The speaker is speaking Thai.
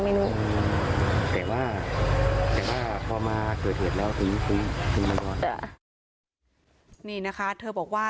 ไม่มีแต่ว่าแต่ว่าพอมาเกิดเหตุแล้วอื้ออื้อนี่นะคะเธอบอกว่า